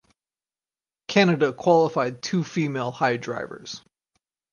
Canada qualified two female high divers.